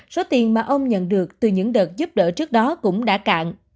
số tiền mà ông nhận được từ những đợt giúp đỡ trước đó cũng đã cạn